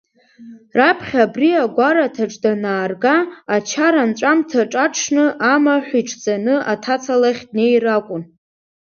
Раԥхьа абри агәараҭаҿ данаарга, ачара анҵәамҭа аҽны амаҳә иҽӡаны аҭаца лахь днеир акәын.